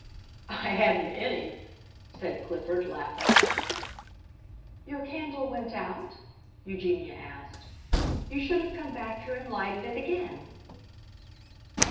"I hadn't any!" said Clifford, laughing. "Your candle went out?" Eugenia asked. "You should have come back here and lighted it again."